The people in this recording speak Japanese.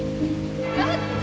やった！